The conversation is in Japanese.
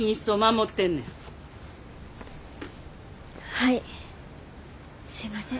はいすいません。